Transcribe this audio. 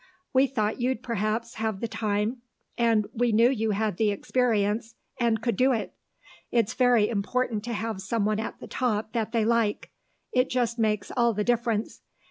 We thought you'd perhaps have the time, and we knew you had the experience and could do it. It's very important to have someone at the top that they like; it just makes all the difference.